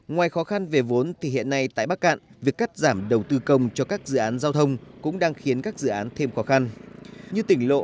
ngoài khó khăn về vốn thì hiện nay tại bắc cạn việc cắt giảm đầu tư công cho các dự án giao thông cũng đang khiến các dự án thêm khó khăn như tỉnh lộ